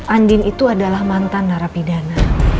andin itu adalah mantan narapidana